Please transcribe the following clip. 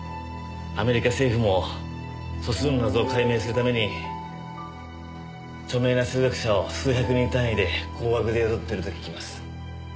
アメリカ政府も素数の謎を解明するために著名な数学者を数百人単位で高額で雇っていると聞きます。